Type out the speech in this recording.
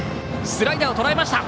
スライダーをとらえました！